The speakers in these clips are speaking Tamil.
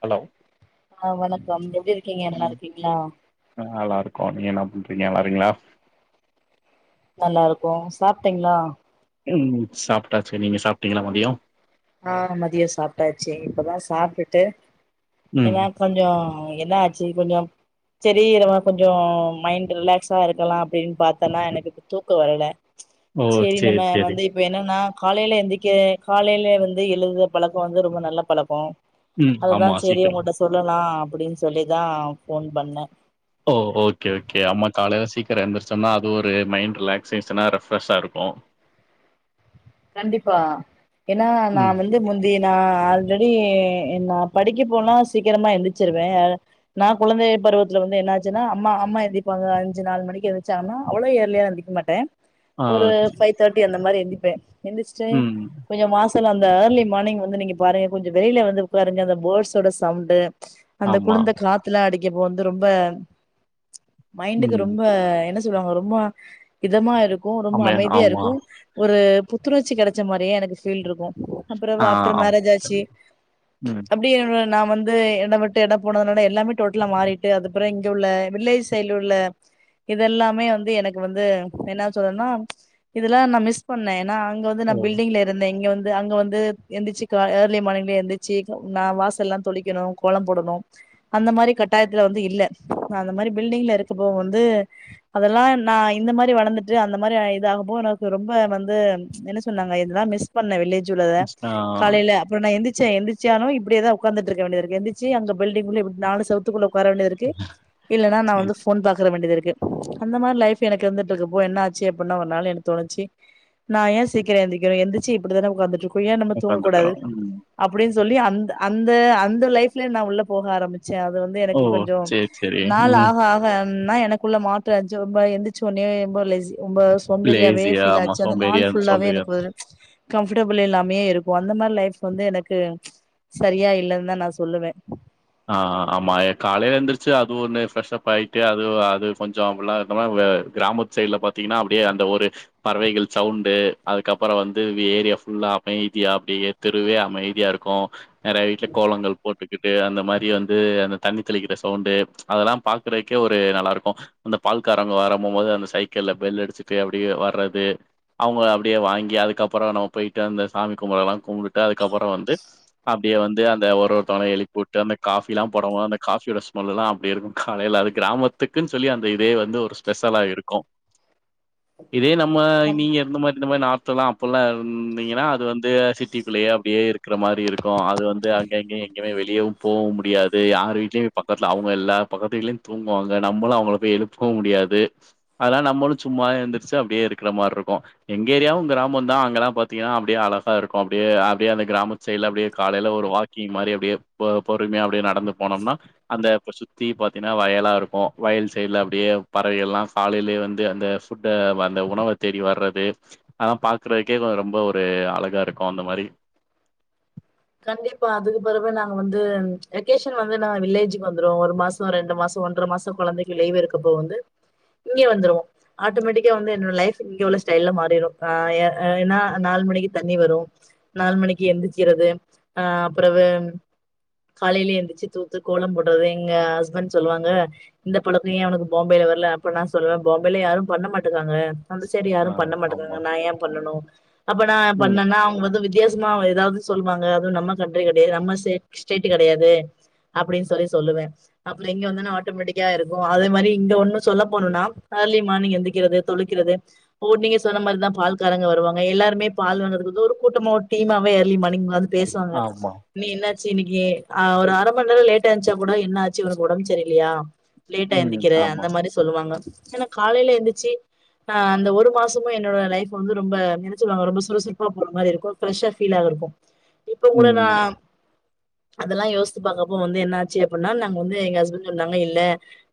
ஹலோ ஆ வணக்கம் எப்டி இருக் ஆ நல்லாருக்கோ நீங்க என்ன பண்றிங்க நல்லாறிங்ளா நல்லா இருக்கோ சாப்ட்டீங்ளா ம் சாப்ட்டாச்சுங்க நீங்க சாப்ட்டீங்ளா மதியோ ஆ மதியோ சாப்ட்டாச்சு இப்பதா சாப்ட்டுட்டு ம் ஏனா கொஞ்சோ என்ன ஆச்சு கொஞ்சோ சரீ நம்ம கொஞ்சோ மைண்ட் ரிலாக்ஸா இருக்கலா அப்டின்னு பாத்தன்னா எனக்கு இப்ப தூக்கோ வரல ஓ செரி நம்ம சேரி சேரி வந்து இப்ப என்னனா காலைல எந்திரிக்க காலைல வ ந்து எழுவது பழக்கோ வந்து ரொம்ப நல்ல பழக்கோ ம் அதுதா ஆமா சேரி சீக்கிரோ உங்ககிட்ட சொல்லலா அப்டின்னு சொல்லிதா ஃபோன் பண்ண ஓ ஓகே ஓகே அம்மா காலைல சீக்கிரோ எந்திரச்சொன்ன அது ஒரு மைண்ட் ரிலாக்சேஷனா ரெஃரெஷா இருக்கு கண்டிப்பா ஏன்னா நா ம் வந்து முந்தி நா ஆல்ரெடி நா படிக்க போனா சீக்கிரமா எந்திரிச்சிருவே நா குழந்தை பருவத்தில வந்து என்னாச்சுன்னா அம்மா அம்மா எந்திரிப்பாங்க அஞ்சு நாலு மணிக்கு எந்திரிச்சாங்கன்னா அவ்வளோ இயர்லியா எந்திரிக்க மாட்டே ஆ ஒரு சேரி ஃபைவ் தர்ட்டி அந்த மாரி எந் ப்பே எந்துருச்சுட்டு ம் கொஞ்சோ மாஸ்க் அந்த ஏர்லி மார்னிங் வந்து நீங்க பாருங்க கொஞ்சோ வெளில வந்து உக்காருங்க அந்த பேர்ட்ஸோட சவுண்டு அந்த ஆமா குளுந்த காத்துலா அடிக் இப்போ வந்து ரொம்ப மைண்டுக்கு ம் ரொம்ப என்ன சொ சொல்லுவாங்க ரொம்ப இதமா இருக் கு ரொம்ப ஆமா அமைதியா ஆமா இருக்கு ஒரு புத்துணர்சி கெடைச்ச மாரியே எனக்கு ஃபீல் ருக்கு அப்புற ஆ ஆஃப்டர் ஆம் மேரேஜ் ஆச்சு ம் அப்படியே நா வந்து எட விட்டு எட போனதுனால எல்லாமே டோட்டலா மாறிட்டு அதுப்புற இங்க உள்ள வில்லேஜ் சைடுல உள்ள இதெல்லாமே வந்து எனக்கு வந்து என்னா சொல்றதுன்னா இதெல்லா நா மிஸ் பண்ணே ஆ இங்க வந்து ஓ நா பில்டிங்ல இருந்தே இங்க வந் து அங்க வந்து எந்திரிச்சு கா ஏர்லி மார்னிங்லயே எந்திரிச்சு நா வாசல்லா தொளிக்கணு கோலம் போடணு அந்த மாரி கட்டாயத்துல வந்து இல்ல நா அந்த மாரி பில்டிங்ல இருக்கப்போ வந்து அதெல்லா நா இந்த மாதிரி வளந்துட்டு அந்த மாரி இதாகப்போ எனக்கு ரொம்ப வந்து என்ன சொன்னாங்க இதுலா மிஸ் பண்ண வில்லேஜ் சொல்லதா ஆ காலையில அப்புற நா எந்திச் எந்திச்சாலு இப்படியேதா உக்காந்துட்ருக்க வேண்டியதுர்கு எந்திர்ச்சி அங்க பில்டிங்குல நாலு செவுத்துக்குள்ள வர வேண்டியதுருக்கு இல்லன்னா நா சேரி வந்து ஃபோன் பாக் க வேண்டியதிருக்கு அந்த மாரி லைஃப் எனக்கு இருந்துட்ரக்கப்போ என்ன ஆச்சு அப்புன்னா ஒரு நாள் எனக்கு தோணுச்சு நான் ஏ சீக்கர எந்திரிக்கனு எந்திரிச்சு இப்பிடி தான உக்காந்துட்டருக் ஏ நம்ம தூங்ககூடாது உக்காந்துருக்கறோ ம் அப்புடின்னு சொல்லி அந் அந்த அந்த லைஃப்லயு நா உள்ள போக ஆரம்பி ச்சு அது வந்து ஓ எனக்கு கொஞ்ச சேரி சேரி நாள் ம் ஆக ஆக ஒன்னா எனக்குள்ள மாற்ற இந்துச்சு ஒரு மாரி எந்திச்ச ஒன்னியே ரொம்ப லேசி ரொம்ப சோம்பேறியாவே லேசியா ஃபீல் ஆமா ஆச்சு அந்த நாள் சோம்பேறியா ஃபுல்லாவே சோம்பேறியா எனக்கு ஒரு கம்ஃபர்டபிள் இல்லாமயே இருக்கு அந்த மாரி லைஃப் வந்து எனக்கு சரியா இல்லன்தா நா சொல்லுவே ஆ ஆமா காலைல எந்துருச்சு அது ஒண்ணு ஃப்ரெஷ் அப் ஆயிட்டு அது அது கொஞ்ச அப்பில்லா இருந்தொம்னா கிராமத் சைடுல பாத்திங்னா அப்டியே அந்த ஒரு பறவைகள் சவுண்டு அதுக்கப்பற வந்து ஏரியா ஃபுல்லா அமைதியா அப்டியே தெருவே அமைதியாருக்கு நெறைய வீட்ல கோலங்கள் போட்டு இப்டியே அந்த அந்த மாரி வந்து அந்த தண்ணி தெளிக்கிற சவுண்டு அதெல்லா பாக்கறதுக்கே ஒரு நல்லாருக்கு அந்த பால்காரவங்க வரமும்போது அந்த சைக்கிள்ல பெல் அடிச்சுட்டு அப்டியே வர்றது அவங்க அப்டியே வாங்கி அதுக்கப்பற நம்ம போய்ட்டு அந்த சாமி கும்பறலா கும்ப்டுட்டு அதுக்கப்பற வந்து அப்டியே வந்து அந்த ஒரொருத்தவங்கள எழுப்பி உட் டு அந்த காஃபிலா போட போது அந்த காஃபியோட ஸ்மெல்லெல்லா அப்டி இருக்கு காலையில அது கிராமத்துக்குன் சொல்லி அந்த இதே வந்து ஒரு ஸ்பெஷலா இருக்கு இதே நம்ம நீங்க இருந்த மாரி இந்த மாரி லா அப்பல்லா இருந்திங்கனா அது வந்து சிட்டிக்குள்ளயே அப்டியே இருக்கற மாரி இருக்கு அது வந்து அங்கங்க எங்கமே வெளியவு போவ முடியாது யார் வீட்லயு போய் பக்கத்துல அவங்க இல்ல பக்கத்து வீடலயு தூங்குவாங்க நம்மளு அவங்கள போய் எழுப்பவு முடியாது அதெல்லா நம்மளு சும்மாவே எந்திரிச்சு அப்டியே இருக்கிற மாரி இருக்கு எங்க ஏரியாவு கிராமந்தா அங்கல்லா பாத்திங்கனா அப்டியே அழகா இருக்கு அப்டியே அப்டியே அந்த கிராமத் சைட்ல அப்படியே காலையில ஒரு வாக்கிங் மாரி அப்டியே பொ பொறுமையா அப்டியே நடந்து போனம்னா அந்த இப்ப சுத்தி பாத்தினா வயலா இருக்கு வயல் சைடுல அப்டியே பறவையெல்லா காலையிலயே வந்து அந்த ஃபுட்ட அந்த உணவ தேடி வர்றது அதல்லா பாக்கறதுக்கே ரொம்ப ஒரு அழகாருக்கு அந்த மாரி கண்டிப்பா அதுக்கு பெறவு நாங்க வந்து வெகேஷன் வந்து நா வில்லேஜ்க்கு வந்துருவோ ஒரு மாசொ ரெண்டு மாசொ ஒன்ற மாசொ கொழந்தைக்கு லீவு இருக்கப்போ வந்து இங்கே வந்துருவோ ஆட்டோமேட்டிக்கா வந்து என்னோட லைஃப் இங்க உள்ள ஸ்டைல்ல மாறிரு ஆ ஏ ஏனா நாலு மணிக்கு தண்ணி வரு நாலு மணிக்கு எந்திரிக்கிறது ஆ பெறவு காலையிலயே எந்திச்சு தூத்து கோலம் போடறது எங்க ஹஸ்பண்ட் சொல்லுவாங்க இந்த பழக்க ஏ ஒனக்கு பாம்பேல வர்ல அப்ப நா சொல்லுவே பாம்பேல யாரு பண்ண மாட்டக்காங்க அந்த சைடு யாரு ஆ பண்ண ஆமா மாட்டங்காங்க நா ஏ பண்ணனு அப்ப நா ம் பண்ணன்னா அவங்க வந்து வித் யாசமா எதாவுது சொல்வாங்க நம்ம கன்ட்ரி கெடையாது நம்ம ஸ்டேட் ஸ்டேட் கெடையாது அப்படின் சொல்லி சொல்லுவ அப்பற இங்க வந்தொன்னே ஆட்டோமேட்டிக்கா இருக்கு அதே மாரி இங்க ஒன்னு சொல்லபோனுனா ஏர்லி மானிங் எந்திரிக்கிறது தொளிக்கிறது ஓ நீங்க சொன்ன மாரிதா பால் காரங்க வருவாங்க எல்லாருமே பால் வாங்குரக்கு ஒரு கூட்டமா ஒரு டீமாவே ஏர்லி மானிங் வந் பேசுவாங்க ஆமா நீ என்னாச்சு இன்னக்கி ஆ ஒரு அர மண் நேர லேட்டா எந்ச்சா கூட என்ன ஆச்சு இவளுக்கு ஒடம்பு சரியில்லையா லேட்டா ம் எந்திக்கிற ஆமா அந்த மாரி சொல்லுவாங்க ஏன்னா காலைல எந்துச்சு அ அந்த ஒரு மாசமு என்னோட லைஃப் வந்து ரொம்ப என்ன சொல்வாங்க ரொம்ப சுறுசுறுப்பா போற மாரி இருக்கு ஃப்ரெஷ்ஷா ஃபீலாவு இருக்கு இப்ப கூட நா ம் அதெல்லா யோசித்து பாக்றப்ப வந்து என்ன ஆச்சு அப்படின்னா நாங்க வந்து எங்க ஹஸ்பண்ட் சொன்னாங்க இல்ல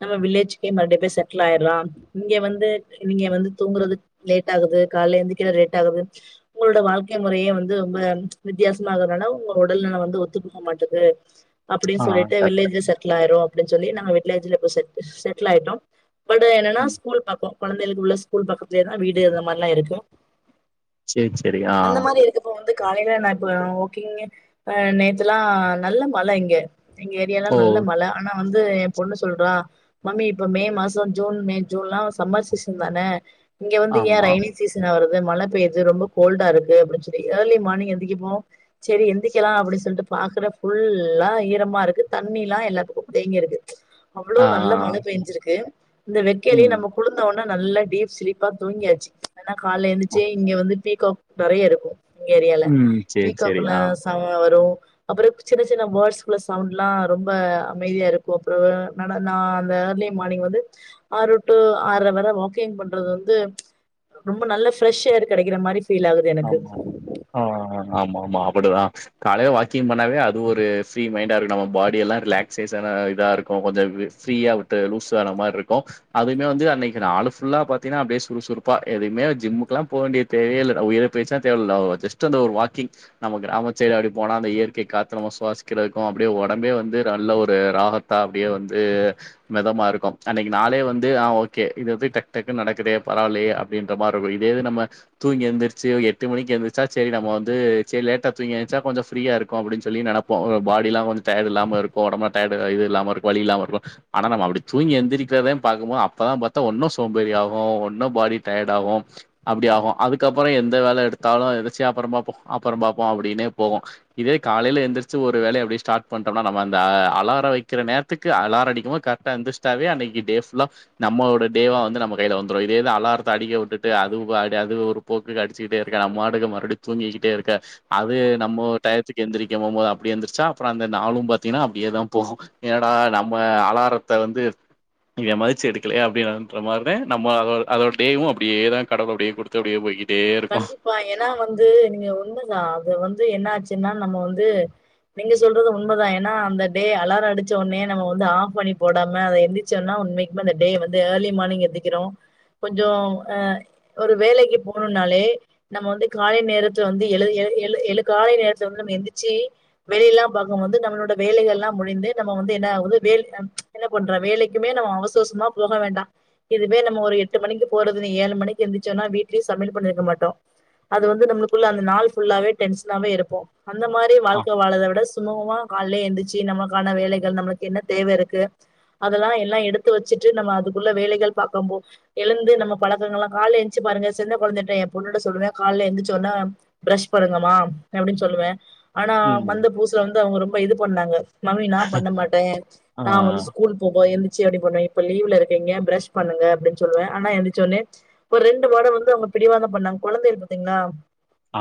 நம்ம வில்லேஜுக்கே மறுபடி போய் செட்டில் ஆய்ட்லா இங்க வந்து நீங்க வந்து தூங்குறது லேட் ஆகுது கால எந்திரிக்க லேட் ஆகுது உங்களோட வாழ்க்கை முறையே வந்து ரொம்ப வித்தியாச மாகறனால உங்க உடல் நில வந்து ஒத்துப்போக மாட்டுது அப்டினு ஆ சொல்லிட்டு கரெக்ட் வில்லேஜ்ல செட்டில் ஆயிருவு அப்டினு சொல்லி நாங்க விட்லேஜ்ல போய் செட் செட்டில் ஆயிட்டோ பட என்னனா ம் ஸ்கூல் பக்கோ கொழந்தைகளுக்கு உள்ள ஸ்கூல் பக்கத்துலயே தா வீடு அந்த மாரில்லா இருக்கு சேரி சேரி ஆ காலேல நா அப்றோ ஓகேங்க ஆ நேத்துல்லா நல்ல மழ இங்க எங்க ஏரியால ஓ நல்ல மழ ஆனா வந்து என் பொண்ணு சொல்றா மம்மி இப்ப மே மாசோ ஜூன் மே ஜூன்ல்லா சம்மர் சீசன் தான இங்க வந்து ஏ ஆமா ரயினி சிசனா வரு மழை பெய்து ரொம்ப கோல்டா இருக்கு அப்டின்னு சொல்லி ஏர்லி மார்னிங் எந்தி செரி எந்திக்கலா அப்டி சொல்ட்டு பாக்கற ஃபுல்லா ஈரமா இருக்கு தண்ணி எல்லா எல்லா பக்கமு தேங்கிருக்கு அவ்ளோ ஆ. நல்ல மழ பெஞ்சிருக்கு இந்த வெக்கலையு ம். நம்ம குழுந்தன இன்னு நல்லா டீப் சிலீப்பா தூங்கியாச்சு ஆனா கால்ல அ. எந்துச்சு இங்க வந்து பீக்காக் நெறயா இருக்கு எங்க ஏரியால ம். சரி, சரி. பீக்காக்குல ஆ. சாமானோ வரு அப்புறம் சின்ன சின்ன வேர்ட்ஸ்கள்ள சவுண்ட் எல்லா ரொம்ப அமைதியா இருக்கு அப்புற நான் அந்த ஏர்லி மார்னிங் வந்து ஆறு டூ ஆறரை வரை வாக்கிங் பண்றது வந்து ரொம்ப நல்ல ஃபிரஸ் ஏர் கெடைக்கிற மாரி ஃபீல் ஆகுது எனக்கு ஆமா ஆ ஆமா ஆமா அப்டிதா காலைல வாக்கிங் பண்ணாவே அது ஒரு ஃப்ரீ மைண்டா இருக்கு நம்ம பாடி எல்லா ரிலாக்சேஷனா இதா இருக்கு கொஞ்சோ ஃப்ரீயா விட்டு லூஸா ஆன மாரி இருக்கு அதுமே வந்து அன்னைக்கு நாலு ஃபுல்லா பாத்திங்கனா அப்டியே சுறுசுறுப்பா எதையுமே ஜிம்முக்கெல்லா போ வேண்டிய தேவயே இல்ல உயிரே தேவல்ல ஜஸ்ட் அந்த ஒரு வாக்கிங் நம்ம கிராம சைடு அப்டி போனா அந்த இயற்கை காத்து நம்ம சுவாசிக்கிறதுக்கு அப்டியே ஒடம்பே வந்து நல்ல ஒரு ராகத்தா அப்டியே வந்து மெதமா இருக்கு அன்னைக்கு நாளே வந்து ஆ ஓகே இது வந்து டக் டக்கு நடக்குதே பரவில்லையே அப்டின்ற மாரி இருக்கு இதேது நம்ம தூங்கி எந்திரிச் செரி ஒரு எட்டு மணிக்கு எந்திர்ச்சா செரி நம்ம வந்து செரி லேட்டா தூங்கி எந்ச்சா கொஞ்சோ ஃபிரியா இருக்கு அப்டின்னு சொல்லி நெனப்போ ஒரு பாடியெல்லா கொஞ்சோ டயர்டு இல்லாம இருக்கு ஒடம்பல டயர்டு இது இல்லாம இருக்கு வழி இல்லாம இருக்கு ஆனா நம்ம அப்டி தூங்கி எந்திரிக்கிறதே பாக்கம்போ அப்பதான் பாத்தா ஒன்னு சோம்பேறி ஆகு ஒன்னு பாடி டயர்டு ஆகு அப்டி ஆகு அதுக்கப் அப்றோ எந்த வேல எடுத்தாலு எந்திச்சு அப்றமா பாப்போ அப்புறம் பாப்போனு அப்டினே போவோ இதே காலைல எந்திரிச்சு ஒரு வேலைய அப்டியே ஸ்டார்ட் பண்டோம்னா நம்ம அந்த அலாரோ வெக்கிற நேரத்துக்கு அலாரோ அடிக்கும்போ கரெக்டா எந்திருச்சிட்டாவே அன்னைக்கு டே ஃபுல்லா நம்மளோட டேவா வந்து நம்ம கைல வந்துரு இதேதா அலாரத்த அடிக்க விட்டுட்டு அது பாடி அது ஒரு போக்கு அடிச்சுட்டே இருக்க நம்ம மாட்டுக்கு மறுபடியு தூங்கிக்கிட்டே இருக்க அது நம்ம டயத்துக்கு எந்திரிக்க போம்போது அப்படி எந்திரிச்சா அப்புற அந்த நாளு பாத்தீங்கன்னா அப்டியேதா போகும் என்னடா நம்ம அலாரத்த வந்து இத மதிச்சு எடுக்கலே அப்டின்ற மாரி நம்ம அத டேவு அப்டியேதா கடவுள் அப்டியே கொடுத்து கே யொய் ஈ கண்டிப்பா ஏன்னா வந்து நீங்க உண்ம தா அது வந் இது என்னாச்சுனா நம்ம வந்து நீங்க சொல்றது உண்மதா ஏனா அந்த டே அலாரோ அடிச்ச ஒன்னே நம்ம வந்து ஆஃப் பன்னி போடாம அத எந்திச்சோனா உண்மைக்குமே டே வந்து ஏர்லி மார்னிங் எந்திக்கிறோ கொஞ்சோ அ ஒரு வேலைக்கு அப்றோ நாலே நம்ம வந்து‌‍‌‌ காலை நேரத்த வந்து எழு எழு எழு காலை நேரத்துல நம்ம வந்து எந்திச்சு வேலையெல்லா பாக்கும்போது நம்மளோட வேலைகெல்லா முடிந்து நம்ம வந்து என்ன ஆகுது வேல் அ என்ன கொண்டு வேலைக்குமே நம்ம அவசர அவசரமா போக வேண்டா இதுவே நம்ம ஒரு எட்டு மணிக்கு போறது நீ ஏழு மணிக்கு எந்திரிச்சோனா வீட்ல சமையல் பண்ணிருக்க மாட்டோ அது வந்து நம்மளுக்குள்ள அந்த நாள் ஃபுல்லாவே டென்ஷனாவே இருப்போ அந்த மாரி ஆ வாழ்க்க வாழத விட சுமூகமா காலயே எந்திச்சு நம்மளுக்கான வேலைகள் நம்மளுக்கு என்ன தேவ இருக்கு அதெல்லா எல்லா எடுத்து வச்சுட்டு நம்ம அதுக்குள்ள வேலைகள் பார்க்க போ எழுந்து நம்ம பழக்கங்கள் எல்லாம் கால எந்ச்சு பாருங்க சின்ன கொழந்தேட்ட என் பொண்ணுட்ட சொல்லுவே காலேல எந்திச்ச ஒன்ன பிரஷ் பன்னுங்கம்மா அப்டின்னு சொல்லுவே ஆனா ம் வந்த பூசுல வந்து அவுங்க ரொம் இப்ப இது பண்ணாங்க மம்மி நா பண்ண மாட்டே ஆ நா வந்து ஸ்கூல் போவே எந் சே அப்டின்னு பண்ணுவே இப்ப லீவ்ல இருக்கீங்க ப்ரஸ் பண்ணுங்க அப்டின்னு சொல்லுவே ஆனா எந்திச்ச ஒன்னே ஒரு ரெண்டு வட வந்து அடுத்து அவுங்க பிடிவாதம் பண்ணாங்க கொழந்தைகள் பாத்தீங்ளா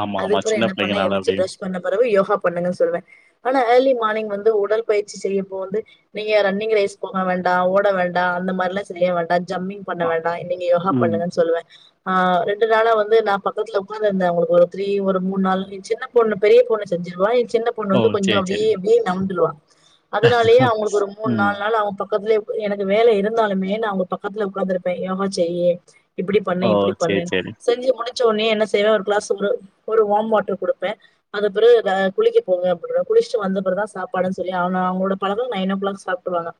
ஆமா ஆமா அதுக்குபொற சின்ன என்ன பண்ணே பிள்ளைங்கனால எந்திச்சி அப்டியே பிரஷ் பண்ண பொறவு யோகா பண்ணுங்கன்னு சொல்வே ஆனா ஏர்லி மார்னிங் வந்து உடல் பயிற்சி செய்யும்போது நீங்க ரன்னிங் ரேஸ் போக வேண்டா ஓட வேண்டா அந்த மாரிலா செய்ய வேண்டா ஜம்மிங் பண்ண ஆ வேண்டா நீங்க யோகா ம் பண்ணுங்கனு சொல்லுவே ஆ ரெண்டு நாளா வந்து நா பக்கத்துல ஒக்காந்துருந்தே உங்களுக்கு ஒரு த்ரீ ஒரு மூண் நாள் ஏ சின்ன பொண்ணு பெரிய பொண்ணு செஞ்சுருவா ஏ சின்ன பொண்ணு ஓ வந்து கொஞ்சோ சேரி சேரி அப்டியே அப்டியே நவுந்துருவா அதனாலயே அவுங்களுக்கு ஒரு மூண், ம் நாலு நாள் அவுங்க பக்கத்துலயே எனக்கு வேல இருந்தாலுமே நா அவுங்க பக்கத்துல ஒக்காந்துருப்பே யோகா செய்யி இப்டி பண்ணு ஓ சேரி இப்டி சேரி செஞ்சு முடிச்சோனே என்ன செய்வே ஒரு கிளாஸ்ல ஒரு வார்ம் வாட்டர் குடுப்பே அதுபிறகு வ குளிக்க போங்க அப்டினுவ குளிச்சுட்டு வந்த பிறகுதா சாப்பாடுன்னு சொல்லி அவன அவுங்களோட பழக்‌கோ நைன் ஓ கிளாக் சாப்ட்ருவாங்க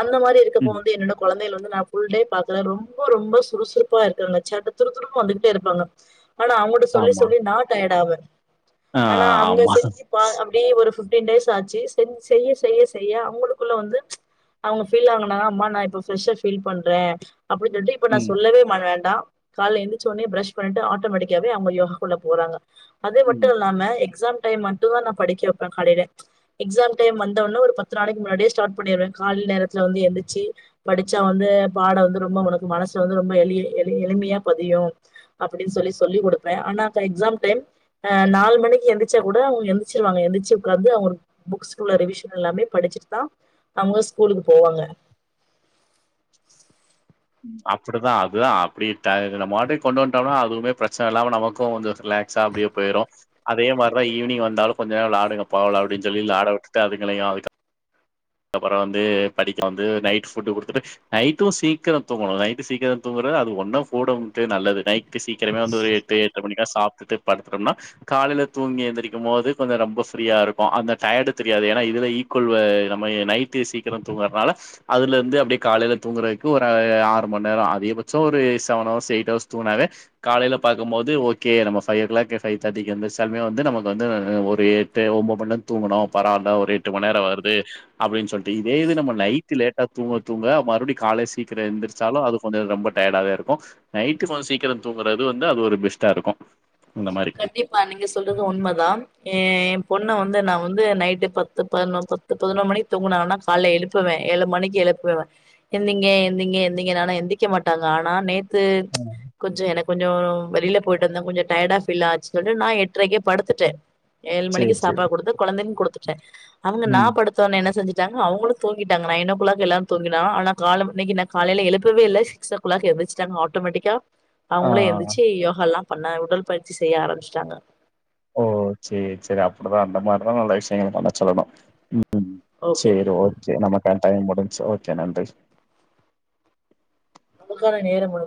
அந்த மாரி இருக்கப்போ ம் வந்து என்னோட கொழந்தையள் வந்து நா ஃபுல் டே பாக்ல ரொம்போ ரொம்ப சுறுசுறுப்பா இருக்க நெனச்ச சுறுசுறுப் வந்துட்டேருப்பாங்க ஆனா அவுங்கட்ட சொல்லி ஆமா சொல்லி நா டயடாவ ஆ ஆனா அவுங்க ஆமா செஞ்சு பா அப்டியே ஒரு ஃப்டீன் டேஸ் ஆச்சி சென் செய்ய செய்ய செய்ய அவுங்களுக்குள்ள வந்து அவுங்க ஃபீல் ஆகுனாங் அம்மா நா இப்ப ஃப்ரெஷ்ஷா ஃபீல் பண்றே அப்டின் சொல்ட்டு இப்ப நா ம் சொல்லவே மாட்டண்டா கால்ல எந்திரிச்ச ஒன்னே ப்ரஷ் பண்ட்டு ஆட்டோமேட்டிக்காவே அவுங்க யோஹாக்குள்ள போறாங்க அது மட்டு ம் இல்லாம எ ஸாம் டைம் மட்டு தா நா படிக்க வெப்பே காலைல எக்ஸாம் டைம் வந்தோன்ன ஒரு பத்து நாளைக் முன்னாடியே ஸ்டார்ட் பண்ணிருவே கால்ல நேரத்ல வந்து எந்திச்சு படிச்சா வந்து பாடோ வந்து ரொம்போ ஒனக்கு மனசு வந்து ரொம்ப எளி எளி எளிமையா பதியு அப்டி சொல்லின் சொல்லிக் குடுப்பே ஆனா அப்ப எக்ஸாம் டைம் ஆ நாலு மணிக்கி எந்திர்ச்சா கூட அவுங்க எந்திரிச்சிருவாங்க எந்திச்சு உக்காந்து அவுங்க புக்ஸ்குள்ள ரிவிஷன் எல்லாமே படிச்சுட்டு தா அவுங்க ஸ்கூலுக்கு போவாங்க அப்டிதா அதுதா அப்டி த நம்ம வாட்டுக்கு கொண்டு வன்ட்டோம்னா அதுவுமே ப்ரச்சன இல்லாம நமக்கு கொஞ்சோ ரிலாக்ஸா அப்டியே போய்ரு அதே மாரிதா ஈவ்னிங் வந்தாலு கொஞ்ச நேரோ வ்ளாடுங்கப்பா அப்டின் சொல்லி வ்ளாட உட்டுட்டு அதுங்களயு‌ அதுக் அப்பறோ‌ வந்து படிக்க வந்து நைட் ஃபுட்டு குடுத்துட்டு நைட்டு சீக்கரொ தூங்கணு நைட்டு சீக்கரொ தூங்குறது அது ஒண்ணோ [unintelligible] நல்லது நைட் டு சீக்கெரமே வந்து ஒரு எட்டு எட்ற மணி சாப்ட்டுட்டு படுத்துட்டோம்னா காலைல தூங்கி எந்திரிக்கும் போது கொஞ்சோ ரொம்ப ஃப்ரீயாருக்கு அந்த டயடு தெரியாது ஏனா இதுவே ஈக்வல்வ ம நைட்டு சீக்கிரோ தூங்குறத்னால அதுலர்ந்து அப்டியே காலைல தூங்குறத்க்கு ஒரு ஆறு மண் நேரொ அதிகபட்சோ ஒரு செவன் அவர்ஸ் எயிட் அவர்ஸ் தூங்குனாவே காலைல பாக்கும் போது ஓகே நம்ம ஃபைவ் ஓ க்ளாக் ஃபைவ் தேட்டிக்கு எந்த்ருச்சாலுமே வந்து நமக்கு வந்து ஒரு எட்டு ஒம்பது மண்நே தூங்குணோ பரவால்ல ஒரு எட்டு மண் நேரொ வருது அப்டின் சொல்ட்டு இதே இது நம்ம நைட்டு லேட்டா தூங்க தூங்க மறுப்டியு கால்ல சீக்கிரோ எந்துருச்சாலு அது கொஞ்சோ ரொம்ப டயடாவே இருக்கு நைட்டு கொஞ்சோ சீக்கிரோ தூங்குறது வந்து அது ஒரு பெஸ்ட்டாருக்கு கண்டிப்பா நீங்க சொல்றது உண்மதா ஏ எம் பொண்ண வந்து நா வந்து நைட்டு பத்து பதினொ பத்து பதினொரு மணிக்கு தூங்குனாங்கனா கால்ல எழுப்புவே ஏழு மணிக்கு எழுப்புவே எந்திங்க எந்திங்க எந்திங்கனு ஆனா எந்திக்க மாட்டாங்க ஆனா நே த்து கொஞ்ச எனக் கொஞ்சோ வெளில போயிட்டந்தா கொஞ்ச டயடா ந்துச்சுன்ட்டு நா எட்ரைக்கே படுத்துட்டே ஏழு மணிக்கு சேரி சேரி சாப்பாடு குடுத்து கொழந்தைங் கு டுத்துட்ட அவுங்க நா ம் படுத்தோனே என்ன செஞ் ட்டாங்க அவங்களு தூங்கிட்டாங்க நைன் ஓ கிளாக் எல்லா தூங்கினா ஆனா கால இன்னைக்கு நா காலைல எழுப்பவே இல்ல சிக்ஸ் ஓ கிளாக் எந்திச்சுட்டாங்க ஆட்டோமேட்டிக்கா ஆ அவங்களே எந்துச்சு யோகால்லா பண்ணா உடல் பயிற்சி செய்ய ஆரம்பிச்சிட்டாங்க ஓ சேரி சேரி அப்டிதா அந்த மாரிதா நல்ல விஷயங்கள பண்ண சொல்லணு ம் ஓகே சேரி ஓகே நமக்கான டைம் முடிஞ்ச்சு ஓகே நன்றி நமக்கான நேரோ வரு